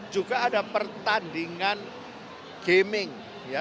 juga ada pertandingan gaming